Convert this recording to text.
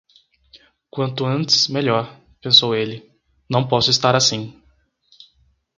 Quanto antes, melhor, pensou ele; não posso estar assim...